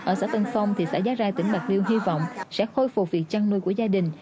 ở xã tân phong thị xã giá rai tỉnh bạc liêu hy vọng sẽ khôi phục việc chăn nuôi của gia đình